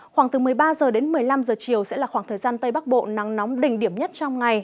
khoảng từ một mươi ba h đến một mươi năm h chiều sẽ là khoảng thời gian tây bắc bộ nắng nóng đỉnh điểm nhất trong ngày